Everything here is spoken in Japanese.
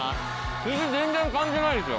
筋、全然感じないですよ。